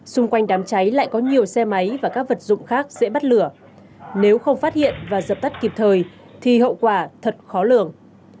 xung quanh đám cháy lại có nhiều xe máy và các vật dụng khác dễ bắt lửa nếu không phát hiện và dập tắt kịp thời thì hậu quả thật khó lường